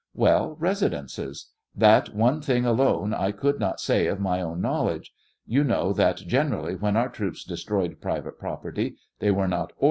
"Well, residences; that one thing alone I could not say of my own knowledge; you know that gener ally when our troops destroyed private property, they were not or.